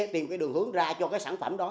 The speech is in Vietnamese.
tìm cái đường hướng ra cho cái sản phẩm đó